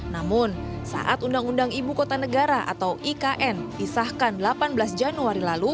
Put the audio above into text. namun saat undang undang ibu kota negara atau ikn disahkan delapan belas januari lalu